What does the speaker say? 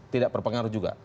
tidak berpengaruh juga